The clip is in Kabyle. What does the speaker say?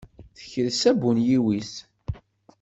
Tekres abunyiw-is.